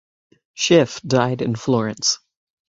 Schiff died in Florence.